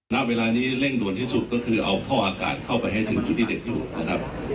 ณเวลานี้เร่งด่วนที่สุดก็คือเอาท่ออากาศเข้าไปให้ถึงจุดที่เด็กอยู่นะครับ